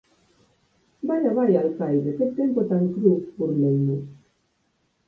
Vaia, vaia, alcaide, que tempo tan cru −burleime−.